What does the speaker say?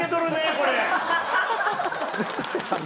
これ。